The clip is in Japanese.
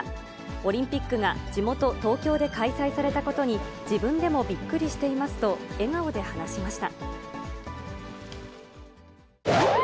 オリンピックが地元、東京で開催されたことに、自分でもびっくりしていますと、笑顔で話しました。